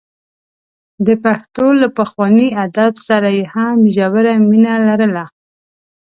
د پښتو له پخواني ادب سره یې هم ژوره مینه لرله.